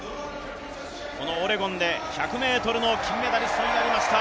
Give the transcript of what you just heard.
このオレゴンで１００ｍの金メダリストになりました。